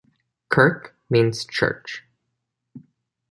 "Kirk" means "church".